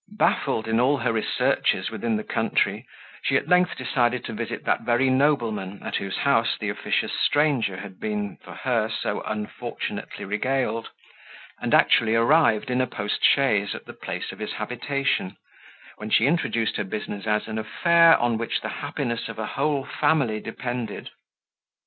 Baffled in all her researches within the country, she at length decided to visit that very nobleman at whose house the officious stranger had been (for her) so unfortunately regaled, and actually arrived, in a post chaise, at the place of his habitation, when she introduced her business as an affair on which the happiness of a whole family depended.